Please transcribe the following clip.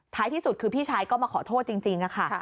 ที่สุดคือพี่ชายก็มาขอโทษจริงค่ะ